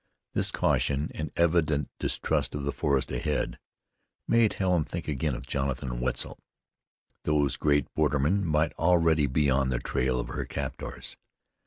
This caution, and evident distrust of the forest ahead, made Helen think again of Jonathan and Wetzel. Those great bordermen might already be on the trail of her captors.